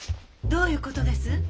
どういうことです？